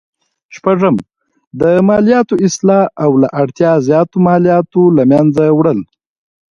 شپږم: د مالیاتو اصلاح او له اړتیا زیاتو مالیاتو له مینځه وړل.